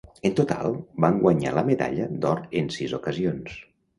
En total van guanyar la medalla d'or en sis ocasions.